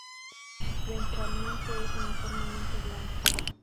Ventralmente, es uniformemente blanco.